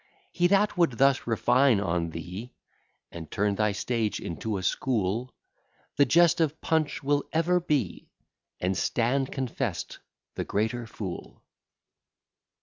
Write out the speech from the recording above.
He that would thus refine on thee, And turn thy stage into a school, The jest of Punch will ever be, And stand confest the greater fool.